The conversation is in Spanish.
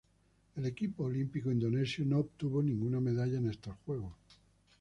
El equipo olímpico indonesio no obtuvo ninguna medalla en estos Juegos.